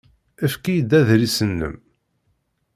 Efk-iyi-d adlis-nnem.